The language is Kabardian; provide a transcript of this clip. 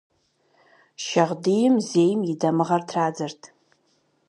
Шагъдийм зейм и дамыгъэр традзэрт.